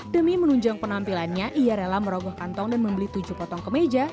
demi menunjang penampilannya ia rela merogoh kantong dan membeli tujuh potong kemeja